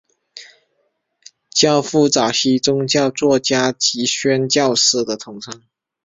教父早期宗教作家及宣教师的统称。